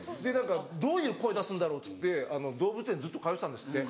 どういう声出すんだろうって動物園ずっと通ってたんですって。